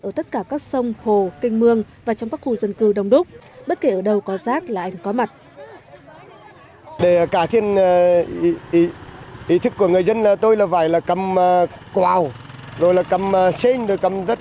ở tất cả các sông hồ canh mương và trong các khu dân cư đông đúc bất kể ở đâu có rác là anh có mặt